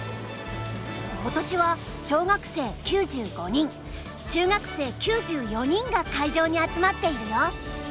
今年は小学生９５人中学生９４人が会場に集まっているよ。